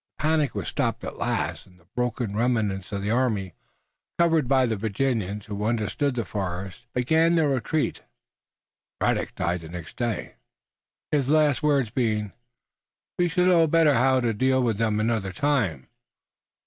The panic was stopped at last and the broken remnants of the army, covered by the Virginians who understood the forest, began their retreat. Braddock died the next day, his last words being, "We shall know better how to deal with them another time."